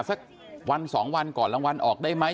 สักวันสองวันก่อนรางวัลออกได้ไหม